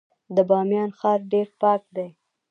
د بامیان ښار ډیر پاک دی